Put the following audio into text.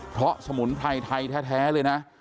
เพราะสมุนไพรไทยแท้เลยนะ